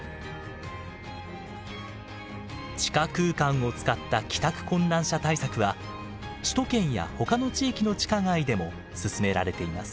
地下空間を使った帰宅困難者対策は首都圏やほかの地域の地下街でも進められています。